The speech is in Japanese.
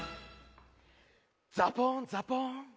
ザポンザポン。